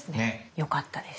よかったです。